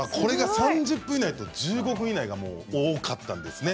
３０分以内と１５分以内が多かったんですね。